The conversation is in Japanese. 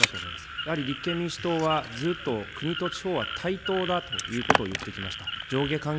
やはり立憲民主党は、ずっと国と地方は対等だということを言ってきました。